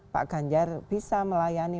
pak ganjar bisa melayani